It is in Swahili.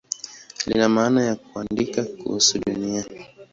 Lina maana ya "kuandika kuhusu Dunia".